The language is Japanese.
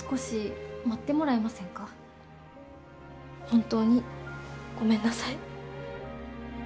本当にごめんなさい。